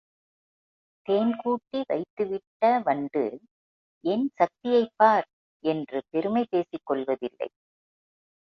தேன் கூட்டி வைத்து விட்ட வண்டு, என் சக்தியைப் பார்! என்று பெருமை பேசிக் கொள்வதில்லை.